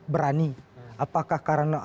berani apakah karena